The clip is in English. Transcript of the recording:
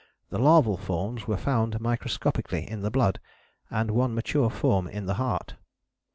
The larval forms were found microscopically in the blood, and one mature form in the heart."